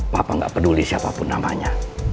papa nggak peduli siapapun namanya